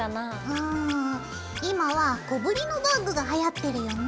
うん今は小ぶりのバッグがはやってるよね。